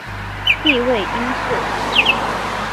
弟为应傃。